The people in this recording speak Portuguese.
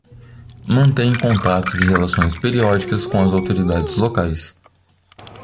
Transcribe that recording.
Mantém contatos e relações periódicas com as autoridades locais.